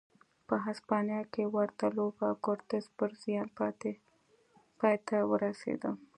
په هسپانیا کې ورته لوبه کورتس پر زیان پای ته ورسېده.